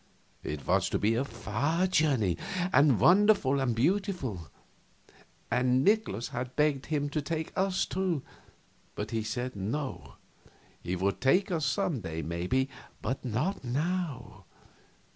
It was to be a far journey, and wonderful and beautiful; and Nikolaus had begged him to take us, too, but he said no, he would take us some day, maybe, but not now.